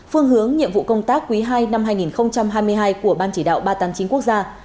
phương hướng nhiệm vụ công tác quý ii năm hai nghìn hai mươi hai của ban chỉ đạo ba trăm tám mươi chín quốc gia